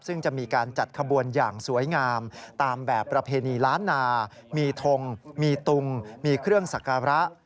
ซึ่งจะมีการจัดขบวนอย่างสวยงามตามแบบประเพณีล้านนามีทงมีตุงมีเครื่องสักการะ